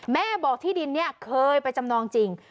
แม่บอกที่ดินนี้เคยไปจำนองจริง